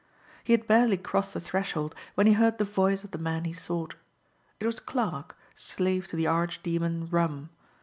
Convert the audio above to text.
He had barely crossed the threshold when he heard the voice of the man he sought. It was Clarke, slave to the archdemon rum.